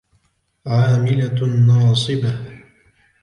عَامِلَةٌ نَاصِبَةٌ